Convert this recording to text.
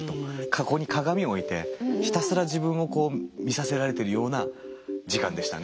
ここに鏡を置いてひたすら自分をこう見させられてるような時間でしたね。